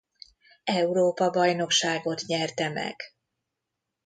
Európa-bajnokságot nyerte meg.